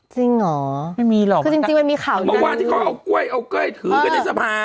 จริงหรอคือจริงมันมีข่าวจากนั้นวันที่เขาเอากล้วยถือกันในสภา